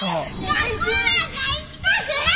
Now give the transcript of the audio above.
学校なんか行きたくない！